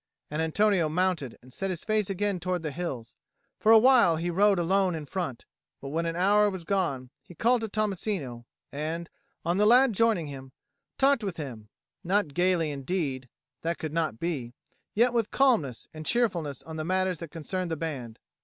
And Antonio mounted and set his face again towards the hills. For awhile he rode alone in front; but when an hour was gone, he called to Tommasino, and, on the lad joining him, talked with him, not gaily indeed (that could not be), yet with calmness and cheerfulness on the matters that concerned the band.